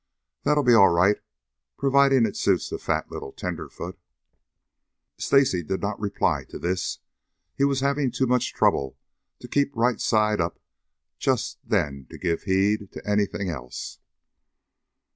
"That'll be all right, providing it suits the fat little tenderfoot." Stacy did not reply to this. He was having too much trouble to keep right side up just then to give heed to anything else.